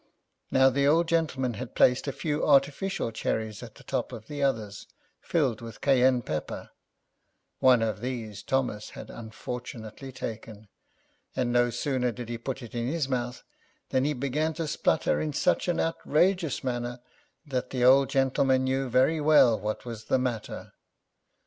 Now the old gentleman had placed a few artificial cherries at the top of the others, filled with cayenne pepper; one of these Thomas had unfortunately taken, and no sooner did he put it in his mouth than he began to sputter in such an outrageous manner, that the old gentleman knew very well what was the matter.